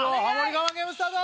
我慢ゲームスタート！